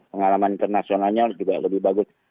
pengalaman internasionalnya juga lebih bagus